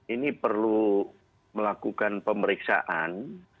ini perlu melakukan pemeriksaan